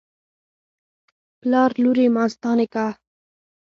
پلار: لورې ماستا نکاح